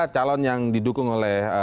calon yang didukung oleh